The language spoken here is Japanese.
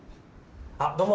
あどうも！